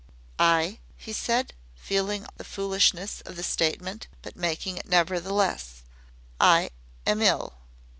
"I " he said, feeling the foolishness of the statement, but making it, nevertheless, "I am ill."